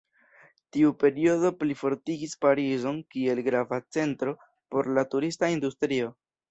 Tiu periodo plifortigis Parizon kiel grava centro por la turista industrio.